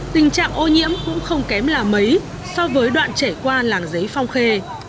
tình trạng ô nhiễm cũng không kém là mấy so với đoạn chảy qua làng giấy phong khê